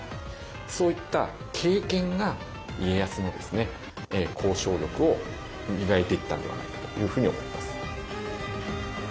そういった経験が家康の交渉力を磨いていったんではないかというふうに思います。